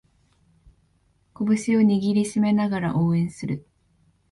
拳を握りしめながら応援する